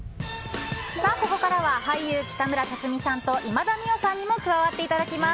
ここからは俳優・北村匠海さんと今田美桜さんにも加わっていただきます。